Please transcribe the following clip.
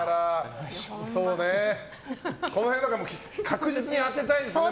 この辺は確実に当てたいですね。